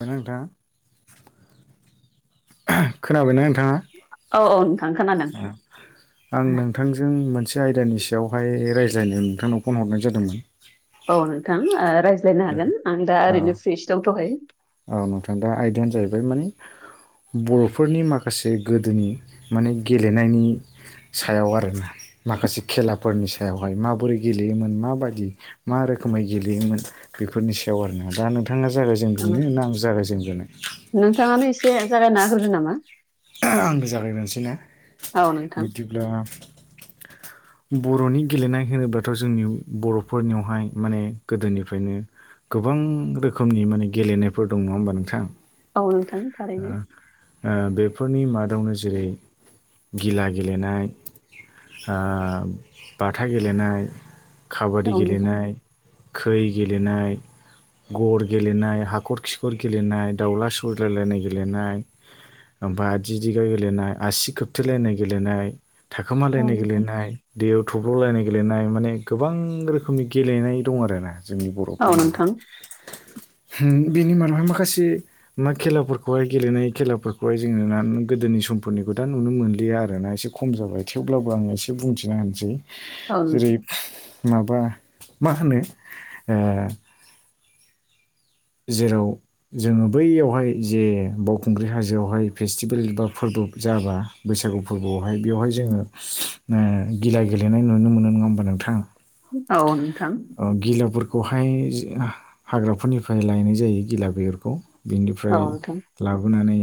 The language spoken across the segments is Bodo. ना नोंथां? खोनाबायना नोंथाङा? औ-औ नोंथां खोनादों। [unintelligible] आं नोंथांजों मोनसे आयदानि सायावहाय रायज्लायनो नोंथांनाव फन हरनाय जादोंमोन। औ नोंथां रायज्लायनो हागोन आं दा औ ओरैनो फ्रिसो दंथ'खायो। औ नोंथां दा आयदायानो जाहैबाय माने बर'फोरनि माखासे गोदोनि माने गेलेनायनि सायाव आरोना। माखासे खेलाफोरनि सायावहाय माबोरै गेलेयोमोन माबायदि मा रोखोमै गेलेयोमोन बेफोरनि सायाव आरोना दा नोंथाङा जायगाय जेनगोरनो ना आं जागाय जेनगोरनो? नोंथाङानो एसे जायागाय ना होग्रोदो नामा। आंबो जागायनोसै ना औ नोंथां बिदिब्ला बर'नि गेलेनाय होनोब्लाथ' जोंनि बर'फोरनियावहाय माने गोदोनिफ्रायनो गोबां रोखोमनि माने गेलेनायफोर दं नङा होमबा नोंथाङां। औ नोंथां थारैनो। ओ बेफोरनि मादावनो जेरै गिला गेलेनाय ओ बाथा गेलेनाय, औ काबादि नोंथां गेलेनाय खै गेलेनाय गर गेलेनाय, हाखर खिखर गेलेनाय, दाउला सौज्लायलायनाय गेलेनाय ओमफ्राय आदि दिगा गेलेनाय आसि खोबथेलायनाय गेलेनाय औ थाखोमालायनि नोंथां गेलेनाय दैयाव थब्ल'लायनाय गेलेनाय माने गोबां रोखोमनि गेलेनाय दं आरोना। जोंनि औ बर'फोरनावहाय। नोंथां होम बेनि मादावहाय माखासे मा खेलाफोरखौ बेखौहाय गेलेनाय खेलाफोरखौहाय जोङो ना गोदोनि समफोरनिखौ दा नुनो मोनलिया आरोना एसे खम जाबाय थेवब्लाबो आंङो एसे बुंथिना होनिसै। औ जेरै माबा मा होनो ओ जेराव जोङो बैयावहाय जे बावखुंग्रि हाजोआवहाय फेस्टिभेल बा फोरबो जाब्ला बैसागु फोरबोआवहाय बेवहाय जोङो ओ गिला गेलेनाय नुनो मोनो नङा होमबा नोंथां। औ नोंथां। गिलाफोरखौहाय जो हा-हाग्राफोरनिफ्राय लायनाय जायो गिला बेगरखौ। औ बिनिफ्राय नोंथां लाबोनानै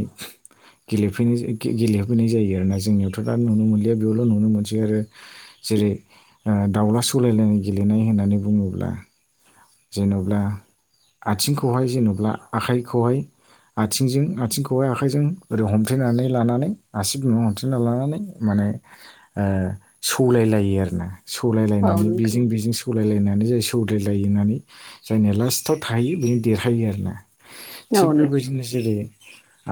गेलेफैनाय-गेलेफैनाय जायो आरोना जोंनियावथ' दा नुनो मोनलिया बेयावल' नुनो मोनसै आरो जेरै ओ दाउला सौलायलायनाय गेलेनाय होननानै बुङोब्ला जेनब्ला आथिंखौहाय जेनेबा आखाइखौहाय आथिंजों आथिंखौ हाइ आखाइजों ओरै हमथेनानै लानानै आसिब बिनाव हमथेना लानानै माने ओ सौलायलायो आरोना। औ सौलायलायनानै बेजों नोंथां बेजों सौलायलायनानै जाय सौलायलाय होननानै जायनि लास्टआव थाहायो बेनो देरहायो आरोना। औ थिग नोंथां बेबायदिनो जेरै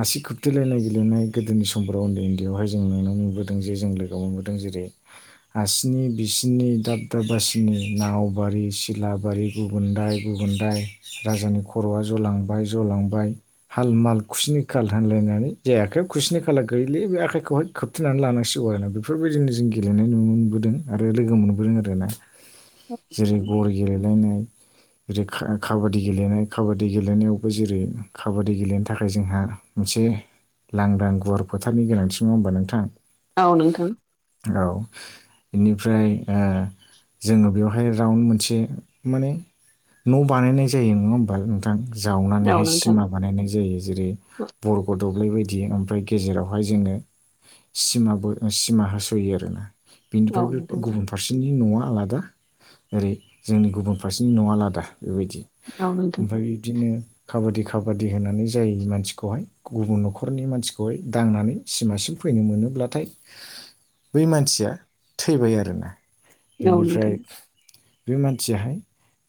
आसि खुबथेलायनाय गेलेनाय गोदोनि समफोराव उन्दै उन्दैआवहाय जों नुनो मोनबोदों जे जों बेयाव मोनबोदों जेरै आरसिनि बिसिनि दाब दाब बासिनि नावबारि सिलाबारि गुबुनदाय गुबुनदाय राजानि खर'आ जलांबाय जलांबाय हाल माल खुसिनि खााल होनलायनानै जाय आखाइयाव खुसिनि खाला गैले बे आखाइखौहाय खोब खोबथेनानै लानांसिगौ आरोना बेफोरबायदिनो जों गेलेनाय नुने मोनबोदों आरो लोगो मोनबोदों आरो ना जेरै ग'र गेलेलायनाय जेरै काबादि गेलेनाय खाबादि गेलेनायावबो जेरै खाबादि गेलेनो थाखाय जोंहा मोनसे लांदां गुवार फोथारनि गोनांथि नङा होमबा नोंथां औ नोंथां औ बेनिफ्राय जोङो बेवहाय राउन्ड मोनसे माने न' बानायनाय जायो नङा होमबा नोंथां औ जावनानैहाय नोंथां सिमा बानायनाय जायो जेरै बरग' दब्लाय बायदि ओमफ्राय गेजेरावहाय जोङो सिमा सिमा होस'यो आरोना औ बेनिफ्रायबो नोंथां गुबुन फारसेनि न'आ आलादा ओेरै जोंनि गुबुन फारसे नि नङा आलादा बेबायदि औ नोंथां औ नोंथां ओमफ्राय बिदिनो खाबादि खाबादि होनानै जाय मानसिखौहाय गुबुन न'खरनि मानसिखौहाय दांनानै सिमासिम फैनो मोनोब्लाथाय बै मानसिया थैबाय आरोना औ नोंथां बिनिफ्राय बे मानसियाहाय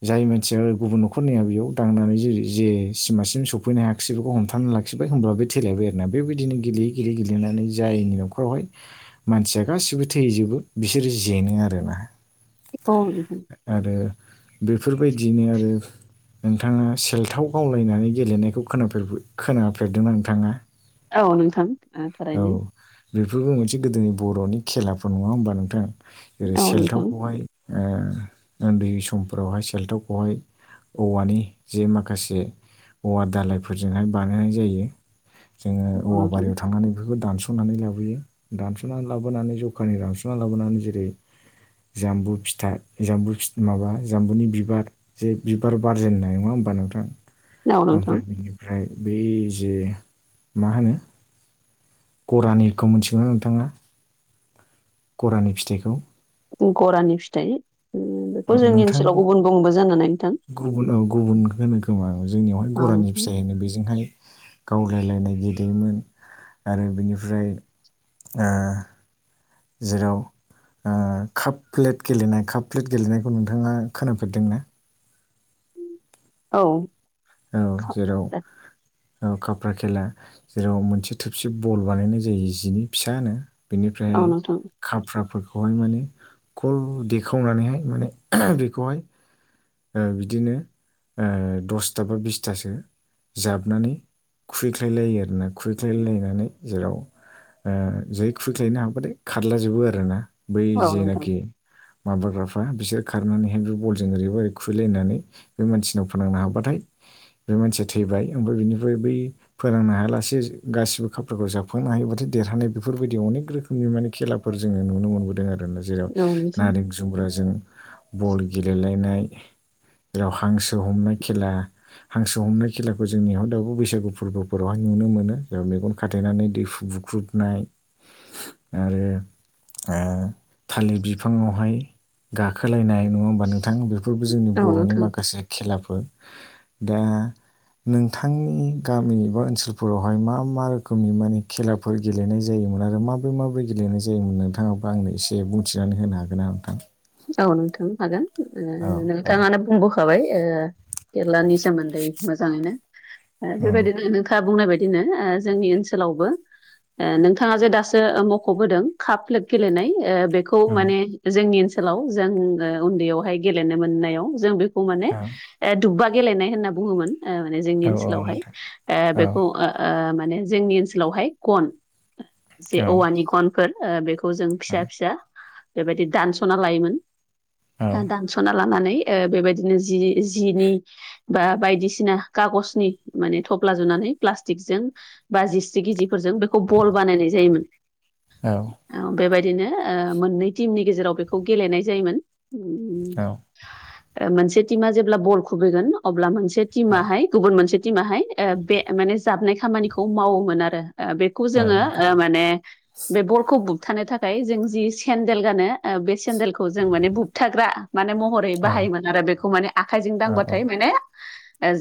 जाय मानसिया गुबुन न'खरनिया बेयाव दांनानै जे जे सिमासिम सौफैनो हायाखै बिसोरखौ हमथाना लाखिबाय होमब्ला बे थैेलायबाय आरोना बेबायदिनो गेलेयै गेलेयै गेलेनानै जायनि न'खरावहाय मानसिया गासिबो थैजोबो बिसोरो जेनो आरोना औ आरो बेफोरबायदियैनो आरो नोंथाङा सेलथाव गावलायनानै गेलेनायखौ खोनफेर खोनाफेरदों नोंथाङा औ नोंथां औ थारैनो बेफोरबो मोनसे गोदोनि बर'नि खेलाफोर नङा होमबा नोंथां जेरै औ नोंथां सेल्थावखौहाय उन्दै समफोरावहाय सेल्थावखौहाय औवानि जे माखासे औवा दाालायफोरजोंहाय बानायनाय जायो जोङो औ औवा नोंथां बारियाव थांनानै बेखौ दानस' दानस'नानै लाबोयो दानस'ना लाबोनानै जखानि दानस'ना लाबोनानै जेरै जामबु फिथाइ जामबुथ माबा जामबुनि बिबार जे बिबार बारजेननाय नङा होमबा नोंथां औ नोंथां ओमफ्राय बिनि ओमफ्राय बे जे मा होनो गरानिखौ मिथिगौ ना नोंथाङा गरानि फिथाइखौ गरानि फिथाइ बेखौ औ जोंनि नोंथां ओनसोलाव गुबुन बुङोबो जानो हानाय नोंथां गुबुन औ गुबुन होनो खोमा जोंनियावहाय गरानि नोंथां फिथाइ होनो बेजोंहाय गावलायलायनाय गेलेयोमोन आरो बिनिफ्राय जेराव ओ काप प्लेट गेलेनाय काप प्लेट गेलेनायखौ नोंथाङा खोनाफेरदोंना औ औ जेराव खाफ्रा खेला जेराव मोनसे थोबसे बल बानायनाय जायो जिनि फिसानो बेनिफ्राय औ नोंथां खाफ्राफोरखौहाय माने खल देखावनानैहाय माने बेखौहाय बिदिनो दसथा बा बिसथासो जाबनानै खुबैख्लायलायो आरोना खुबैख्लायलायनानै जेराव जै खुबैख्लायनो हाबाथाय खारलाजोबो आरोना बै औ नोंथां जेनाखि माबाग्राफ्रा बिसोर खारनानैहाय बे बलजों ओरैबा ओरै खुबैलायनानै बे मानसिनाव फोनांनो हाब्लाथाय बे मानसिया थैबाय ओमफ्राय बिनिफ्राय बै फोरोंनो हायालासे गासिबो खाफोरखौ जाबखांनो हायोबाथाय देरहानाय बेफोरबायदि अनेक रो खोमनि माने खेलाफोर जोंङो नुनो मोनबोदों आरो ना जेराव औ नोंथां नारें जुमब्राजों बल गेलेलायनाय जेराव हांसो हमनाय खेला हांसो हमनाय खेलाखौ जोंनियाव दाबो बैसागु फोरबोफोरावहाय नुनो मोनो जे मेगन खाथेनानै दैहु बुग्रुबनाय आरो ओ थालिर बिफाङावहाय गाखोलायनाय नङा होमबा नोंथां बे बे फोरबो जोंनि औ नोंथां औ बर'नि माखासे खेलाफोर दा नोंथांनि गामि एबा ओनसोलफोरावहाय मा मा रोखोमनि माने खेला फोर गेलेनाय जायोमोन आरो माबोरै माबोरै गेलेनाय जायोमोन नोंथाङाबो आंनो एसे बुंथिनानै होनो हागोन ना‌ नोंथां औ नोंथां हागोन औ औ नोंथाङानो बुंबो खाबाय खेलानि सोमोन्दै मोजाङैनो औ बेबायदिनो नोंथां दा बुंनाय बायदिनो जोंनि ओनसोलावबो ओ नोंथाङा जे दासो मख'बोदों काप-प्लेट गेलेनाय ओ बे खौ औ माने जोंनि ओनसोलाव जों ओ उन्दैयावहाय गेलेनो मोननायाव जों बे खौ माने ओ दुब्बा गेलेनाय होनना बुङोमोन ओ माने जोंनि औ ओनसोलावहाय नोंथां ओ बेखौ ओ माने जोंनि ओनसोलावहाय गन जे औ औवानि गनफोर ओ बे खौ जों औ फिसा-फिसा बेबायदि दानस'ना लायोमोन औ दानस ना लानानै बेबायदिनो जि-जिनि बा बायदिसिना कागजनि माने थफ्ला जुनानै प्लास्टिकजों बा जिस्रि गिजिफोरजों बेखौ बल बानायनाय जायोमोन। बेबायदिनो मोननै टिमनि गेजेराव बेखौ गेलेनाय जायोमोन। ओम औ ओ मोनसे टिमा जेब्ला बल खुबैगोन अब्ला मोनसे औ टिमाहाय गुबुन मोनसे टिमाहाय ओ बे माने जाबनाय खामानिखौ मावोमोन आरो ओ बे खौ औ जोंङो नोंथां ओ माने बे बलखौ बुबथानो थाखाय जों जि सेन्देल गानो ओ बे सेन्देलखौ जों माने बुुबथाग्रा माने मह रै औ बाहायोमोन आरो बेखौ माने आखाइजों औ औ दांबाथाय माने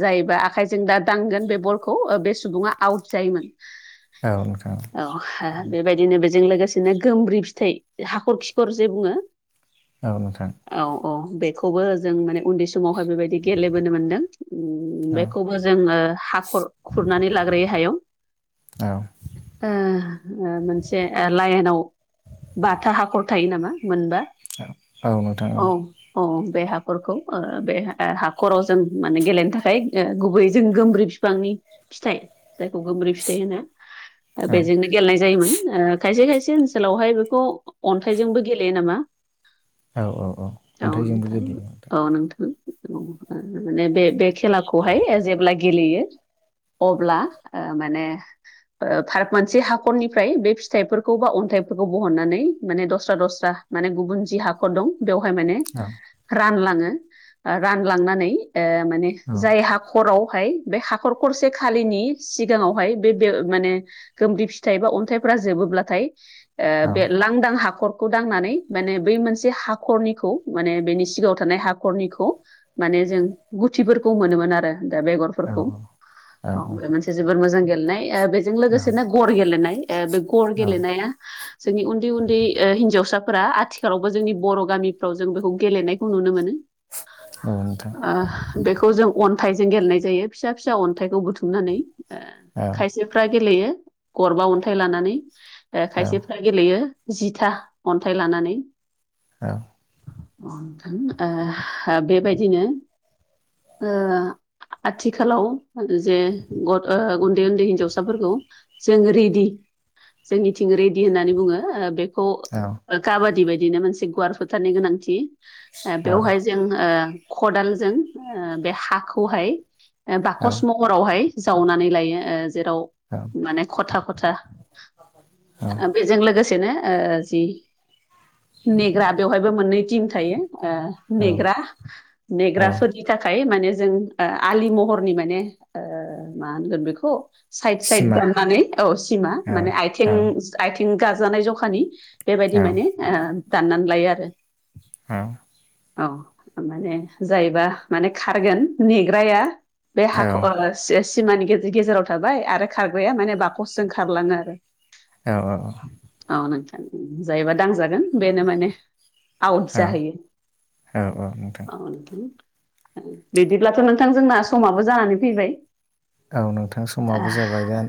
जायबा आखाइजों दा दांगोन बे बलखौ बे सुबुङा आउट जायोमोन। औ नोंथां औ बेबाय दिनो बेजों लोगोसेनो गोमब्रि फिथाइ हाखर खिखर जे बुङो औ नोंथां औ औ बेखौबो जों माने उन्दै समावहाय बेबायदि गेलेबोनो मोन्दों। ओम औ बेखौबो जोंङो हाखर खुरनानै लाग्रोयो हायाव ओ ओ मोनसे लाइनाव बाथा हाखर थायो नामा मोनबा औ औ अ बे हाखरखौ ओ बे हाखराव जों माने गेलेनो थाखाय ओ गुबै जों गोमब्रिब बिफांनि फिथाइ जायखौ गोमब्रि फिथाइ होना बेजोंनो गेलेनाय जायोमोन ओ खायसे खायसे ओनसोलावहाय बेखौ अन्थाइजोंबो गेलेयो नामा औ औ औ औ अन्थाइजोंबो नोंथां गेलेयो औ नोंथां माने बे-बे खेलाखौहाय जेब्ला गेलेयो अब्ला ओ माने ओ फाराग मोनसे हाखरनिफ्राय बे फिथाइफोरखौ बा अन्थाइफोरखौ बहननानै माने दस्रा दस्रा माने गुबुन जि हाखर दं बेवहाय माने रानलाङो रानलांनानै ओ माने औ जाय हाखरावहाय बे हाखर खरसे खालिनि सिगाङावहाय बे बे माने गोमब्रि फिथाइ बा अन्थाइफ्रा जोबोब्लाथाय ओ बे लांदां हाखरखौ दांनानै माने बै मोनसे हाखरनिखौ माने बेनि सिगाङाव थानाय हाखरनिखौ माने जों गुथिफोरखौ मोनोमोन आरो दा बेगरफोरखौ औ बे मोनसे जोबोर मोजां गेलेनाय बेजों लोगोसेनो गर गेलेनाय बे गर गेलेनाया जोंनि उन्दै-उन्दै ओ हिनजावसाफोरा आथि जेरावबो जोंनि बर' गामिफ्राव जों बेखौ गेलेनायखौ नुनो मोनो ओ बेखौ जों अन्थाइजों गेलेनाय जायो फिसा फिसा अन्थाइखौ बुथुमनानै खायसे फ्रा गेलेयो गरबा अन्थाइ लानानै खायसेफ्रा गेलेयो जिथा अन्थाइ लानानै औ अ नोंथां ओ बेबायदिनो ओ आथिखालाव जे गत ओ उन्दै उन्दै हिनजावसाफोरखौ जों रेडि जोंनिथिं रेडि होननानै बुङो बेखौ औ काबादि बायदिनो मोनसे गुवार फोथारनि गोनांथि ओ बेवहाय जों ओ खदालजों बे हाखौहाय बाकस हरावहाय जावनानै लायो ओ जेराव औ माने खथा खथा बेजों लोगोसेनो ओ जि नेग्रा बेवहायबो मोननै टिम थायो ओ नेग्रा औ नेग्राफोरनि थाखाय माने जों आलि महरनि माने ओ ओ मा होनगोन बेखौ साइद साइद सिमा दाननानै औ सिमा औ माने औ आयथिं आयथिं गाजानाय जखानि औ बेबायदि माने ओ दाननानै लायो आरो। औ। औ माने जायोबा माने खारगोन नेग्राया बे औ हाखर से-सिमानि गेजे-गेजेराव थाबाय आरो खारग्राया माने बाखसजों खारलाङो आरो। औ औ। औ नोंथां जायोबा दांजागोन बेनो माने आउट जाहैयो। औ नोंथां बिदिब्लाथ' नोंथां जोंना समाबो जानानै फैबाय। औ नोंथां समाबो जाबाय दे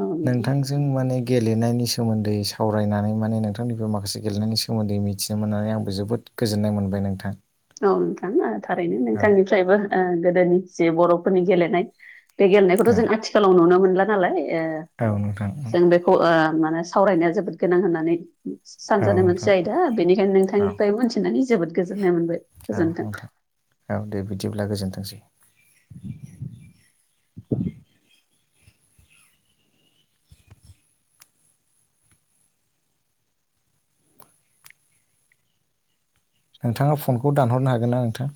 औ नोंथां नोंथांजों जों माने गेलेनायनि सोमोन्दै सावरायनानै माने नोंथांनिफ्राय माखासे गेलनायनि सो सोमोन्दै मिथिनो मोननानै आंबो जोबोद गोजोननाय मोनबाय नोंथां। औ नोंथां ओ थारैनो औ नोंथांनिफ्रायबो ओ गोदोनि जे बर'फोरनि गेलेनाय बे गेलेनायखौथ' औ जों आथिखालाव नुनो मोनला नालाय ओ औ नोंथां उम। अ ओ माने सावरायनाया जोबोद गोनां होननानै औ सानजानाय नोंथां मोनसे आयदा बेनिखायनो औ नोंथांनिफ्राय मोनथिनानै जोबोद गोजोननाय मोनबाय। औ गोजोन्थों। नोंथां औ दे बिदिब्ला गोजोनथोंसै। [inaudible] नोंथाङा फनखौ दानहरनो हागोन ना नोंथां?